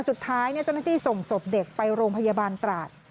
สุดท้ายเจ้าหน้าที่ส่งศพเด็กไปโรงพยาบาลตราด